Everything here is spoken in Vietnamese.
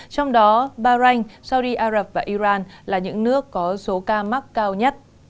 trong đó bahrain saudi arab và iran là những nước có số ca mắc cao nhất